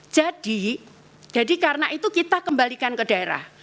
jadi karena itu kita kembalikan ke daerah